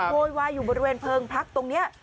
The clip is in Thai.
โวยวายอยู่บริเวณเพลิงพักตรงนี้